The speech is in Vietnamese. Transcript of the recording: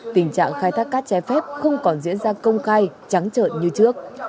tình trạng khai thác cát trái phép không còn diễn ra công khai trắng trợn như trước